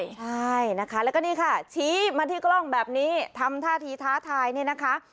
ใช่นะคะแล้วก็นี่ค่ะชี้มาที่กล้องแบบนี้ทำท่าทีท้าทายเนี่ยนะคะ